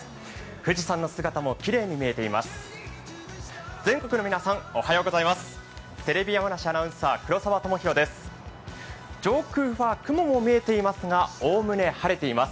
富士山の姿もきれいに見えています。